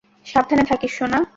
সাবধানে থাকিস, সোনা।